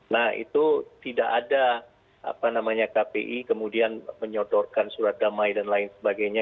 nah itu tidak ada apa namanya kpi kemudian menyodorkan surat damai dan lain sebagainya